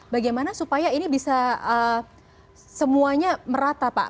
bagaimana supaya ini bisa semuanya merata pak